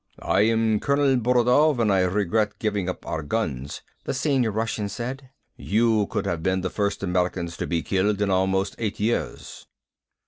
"I am Colonel Borodoy and I regret giving up our guns," the senior Russian said. "You could have been the first Americans to be killed in almost eight years."